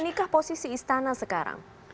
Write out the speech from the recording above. inikah posisi istana sekarang